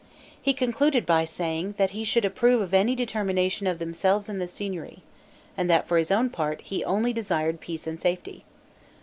He concluded by saying, that he should approve of any determination of themselves and the Signory; and that for his own part, he only desired peace and safety.